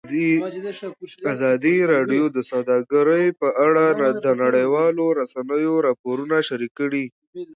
ازادي راډیو د سوداګري په اړه د نړیوالو رسنیو راپورونه شریک کړي.